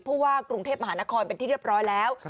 ผู้ว่ากรุงเทพมหานครเป็นที่เรียบร้อยแล้ว